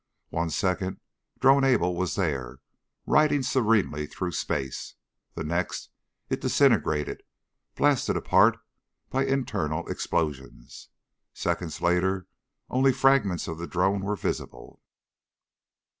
One second Drone Able was there, riding serenely through space. The next it disintegrated, blasted apart by internal explosions. Seconds later only fragments of the drone were visible.